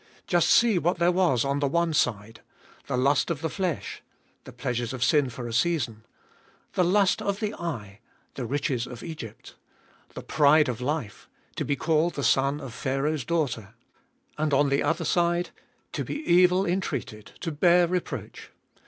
Just see what there was on the one side. The lust of the flesh : the pleasures of sin for a season. The lust of the eye : the riches of Egypt. The pride of life : to be called the son of Pharaoh's daughter. And, on the other side, to be evil entreated, to bear reproach.